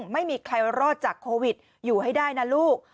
ไม่มีใครรอดจากโควิดอยู่ให้ได้นะลูก